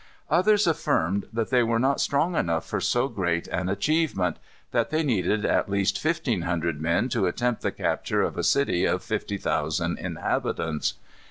Others affirmed that they were not strong enough for so great an achievement; that they needed at least fifteen hundred men to attempt the capture of a city of fifty thousand inhabitants.